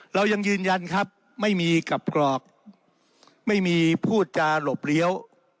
เรายังยืนยันครับไม่มีกับกรอกไม่มีพูดจาหลบเลี้ยว